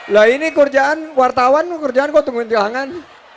lah ini kerjaan wartawan kerjaan kok tunjuk tangan